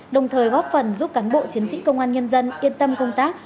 đồng thời góp phần giúp cán bộ chiến sĩ công an nhân dân yên tâm công tác